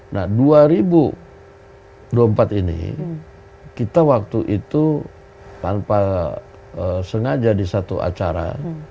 nah dua ribu dua puluh empat ini kita waktu itu tanpa sengaja di satu acara